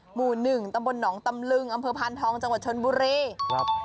หมู่๑ตำบลหนตำลึงอำเภอพันธองจังหวัดศพรี